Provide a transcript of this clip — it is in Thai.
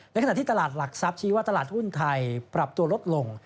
ขณะที่ตลาดหลักทรัพย์ชี้ว่าตลาดหุ้นไทยปรับตัวลดลง